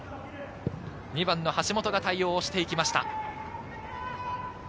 ２番・橋本が対応していきました。